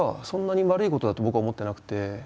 そんなに悪いことだと僕は思ってなくて。